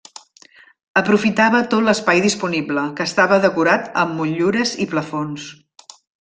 Aprofitava tot l’espai disponible, que estava decorat amb motllures i plafons.